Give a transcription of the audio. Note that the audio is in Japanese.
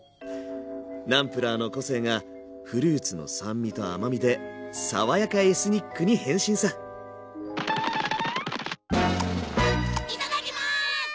ナムプラーの個性がフルーツの酸味と甘みで爽やかエスニックに変身さいただきます！